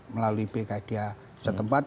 melalui bkida setempat